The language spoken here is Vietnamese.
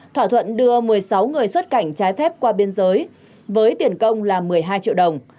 thỏa thuận đưa một mươi sáu người xuất cảnh trái phép qua biên giới với tiền công là một mươi hai triệu đồng